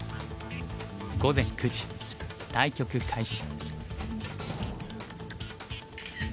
午前９時対局開始。